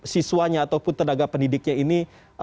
siswanya ataupun tenaga pendidiknya ini